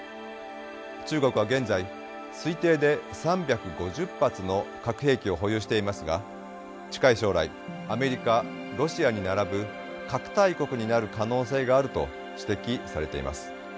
中国は現在推定で３５０発の核兵器を保有していますが近い将来アメリカロシアに並ぶ核大国になる可能性があると指摘されています。